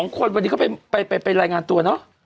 ๒คนวันนี้เขาไปรายงานตัวเนอะ